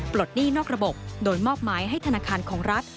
หนี้นอกระบบโดยมอบหมายให้ธนาคารของรัฐ